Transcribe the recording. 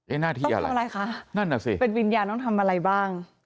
เอ๊ะหน้าที่อะไรต้องทำอะไรคะนั่นอ่ะสิเป็นวิญญาณต้องทำอะไรบ้าง